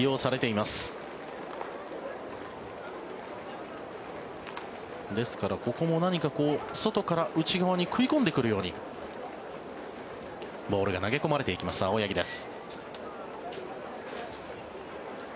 ですから、ここも外から内側に食い込んでくるようにボールが投げ込まれていきます青柳です。